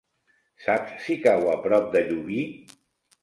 Saps si cau a prop de Llubí?